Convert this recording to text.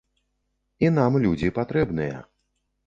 І нам людзі патрэбныя.